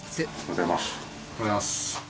おはようございます。